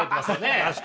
確かにな。